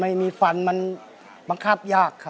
ไม่มีฟันมันบังคับยากครับ